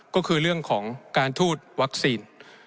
ก็คือเรื่องของการทูตวัคซีน